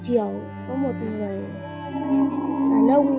khiến chúng tôi không khỏi đau buồn